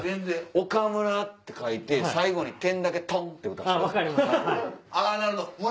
「岡村」って書いて最後に点だけトン！って打たせてください。